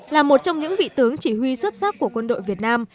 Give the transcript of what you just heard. là một trong những vị tướng chỉ huy xuất sắc của quân đội việt nam